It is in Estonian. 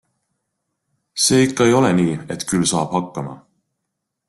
See ikka ei ole nii, et küll saab hakkama.